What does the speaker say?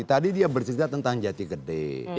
tadi dia bercerita tentang jati gede